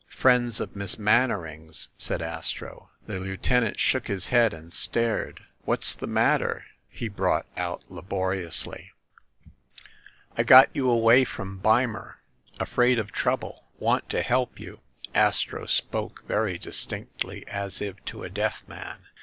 "Friends of Miss Mannering's," said Astro. The lieutenant shook his head, and stared. "What's the matter ?" he brought out laboriously. 264 THE MASTER OF MYSTERIES "I got you away from Beimer ‚ÄĒ afraid of trouble ‚ÄĒ want to help you." Astro spoke very distinctly, as if to a deaf man.